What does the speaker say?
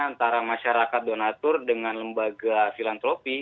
antara masyarakat donatur dengan lembaga filantropi